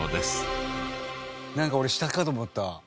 なんか俺下かと思った。